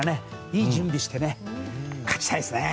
いい準備をして勝ちたいですね。